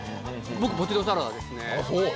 僕ポテトサラダですねあっそう？